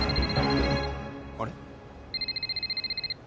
あれ？